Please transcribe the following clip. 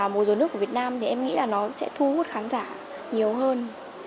mà mùa dối nước của việt nam thì em nghĩ là nó sẽ thu hút khán giả nhiều hơn